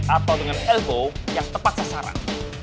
atau dengan elgo yang tepat sasaran